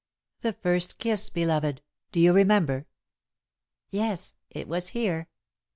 "That first kiss, beloved. Do you remember?" "Yes. It was here."